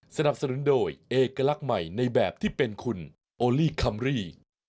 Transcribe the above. สนับสนุนโดยเอกลักษณ์ใหม่ในแบบที่เป็นคุณโอลี่คัมรี่